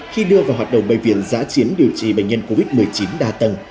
khi đưa vào hoạt động bệnh viện giã chiến điều trị bệnh nhân covid một mươi chín đa tầng